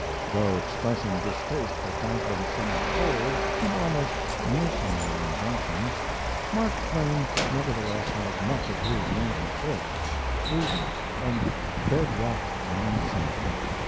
Though expressing distaste for Franklin's somewhat cold and almost mercenary injunctions, Mark Twain nevertheless has much of his Yankee thrift, shrewdness, and bed rock common sense.